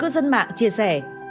sân mạng chia sẻ